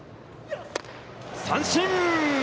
三振！